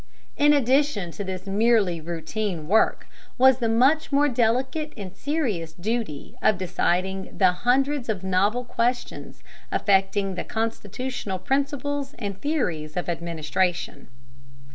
In addition to this merely routine work was the much more delicate and serious duty of deciding the hundreds of novel questions affecting the constitutional principles and theories of administration.